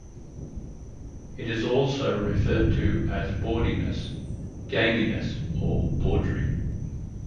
It is also referred to as "bawdiness", "gaminess" or "bawdry".